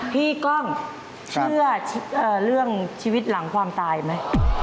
กล้องเชื่อเรื่องชีวิตหลังความตายไหม